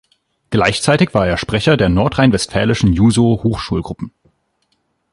Gleichzeitig war er Sprecher der nordrhein-westfälischen Juso-Hochschulgruppen.